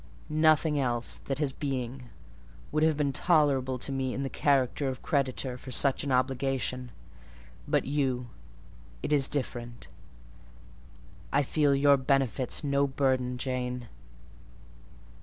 Nothing else that has being would have been tolerable to me in the character of creditor for such an obligation: but you: it is different;—I feel your benefits no burden, Jane."